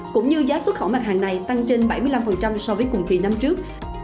cũng như giá xuất khẩu mặt hàng này tăng trên bảy mươi năm so với cùng kỳ năm trước